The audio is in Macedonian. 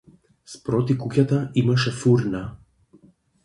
Спроти куќата имаше фурна.